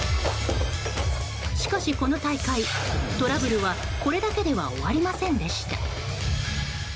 しかし、この大会トラブルは、これだけでは終わりませんでした。